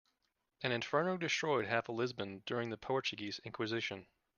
An inferno destroyed half of Lisbon during the Portuguese inquisition.